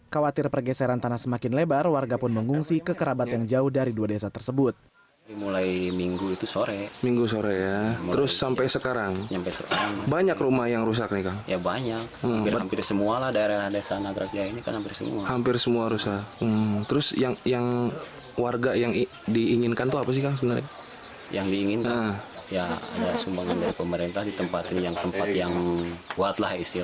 khawatir pergeseran tanah semakin lebar warga pun mengungsi ke kerabat yang jauh dari dua desa tersebut